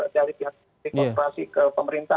dari pihak demonstrasi ke pemerintah